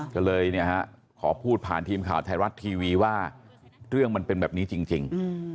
ก็เลยขอพูดผ่านทีมข่าวไทยรัฐทีวีว่าเรื่องมันเป็นแบบนี้จริง